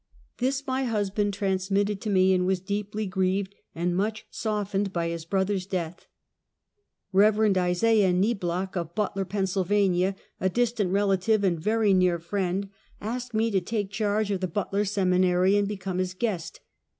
This my husband transmitted to me, and was deep ly grieved and much softened by his brother's death. Eev. Isaiah Niblock, of Butler, Pa., a distant rela tive and very near friend, asked me to take charge of the Butler Seminary and become his guest.